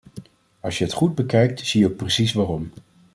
Als je het goed bekijkt, zie je ook precies waarom.